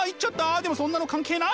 でもそんなの関係ない！